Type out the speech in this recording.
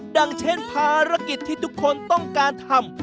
ดังเช่นภารกิจที่ทุกคนต้องการทำ